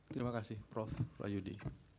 terima kasih prof wahyudi